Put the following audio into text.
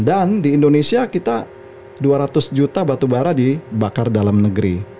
dan di indonesia kita dua ratus juta batubara dibakar dalam negeri